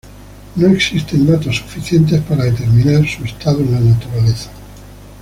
No existen datos suficientes para determinar su estado en la naturaleza.